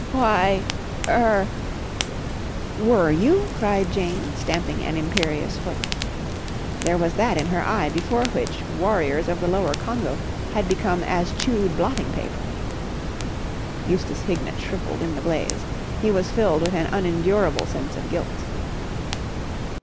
"Why—er—" "Were you?" cried Jane, stamping an imperious foot. There was that in her eye before which warriors of the lower Congo had become as chewed blotting paper. Eustace Hignett shrivelled in the blaze. He was filled with an unendurable sense of guilt.